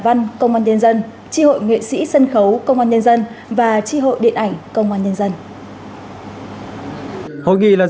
và chi hội điện ảnh công an nhân dân